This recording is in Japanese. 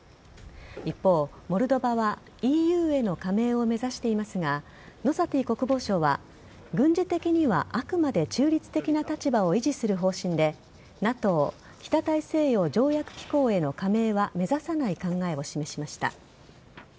一方、モルドバはＥＵへの加盟を目指していますがノサティ国防相は軍事的にはあくまで中立的な立場を維持する方針でＮＡＴＯ＝北大西洋条約機構への加盟は目指さない考えを示しました。